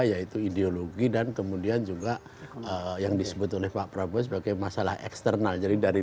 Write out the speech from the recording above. yaitu ideologi dan kemudian juga yang disebut oleh pak prabowo sebagai masalah eksternal jadi dari